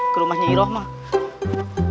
ke rumahnya iroh mak